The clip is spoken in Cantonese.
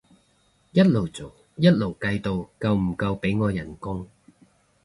一路做一路計到夠唔夠俾我人工